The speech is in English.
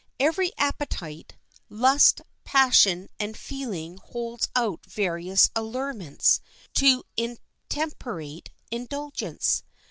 Every appetite, lust, passion, and feeling holds out various allurements to intemperate indulgence.